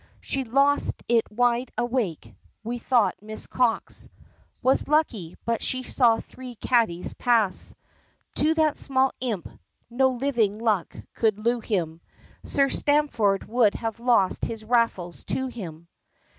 She lost it wide awake. We thought Miss Cox Was lucky but she saw three caddies pass To that small imp; no living luck could loo him! Sir Stamford would have lost his Raffles to him!